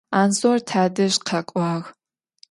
Anzor tadej khek'uağ.